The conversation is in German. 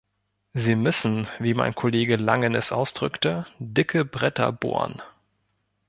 Sie müssen wie mein Kollege Langen es ausdrückte dicke Bretter bohren.